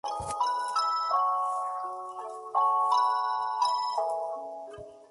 Sus otros hijos eran Giovanni I y Marco Sanudo, señor de Milos.